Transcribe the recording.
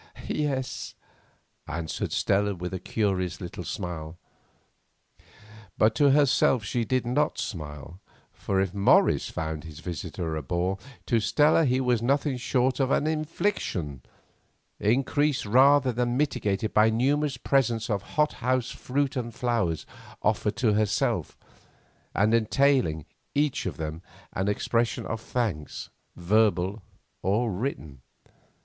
"Yes," answered Stella with a curious little smile. But to herself she did not smile; for, if Morris found his visitor a bore, to Stella he was nothing short of an infliction, increased rather than mitigated by numerous presents of hot house fruit and flowers offered to herself, and entailing, each of them, an expression of thanks verbal or written.